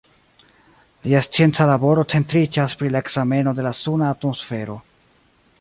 Lia scienca laboro centriĝas pri la ekzameno de la suna atmosfero.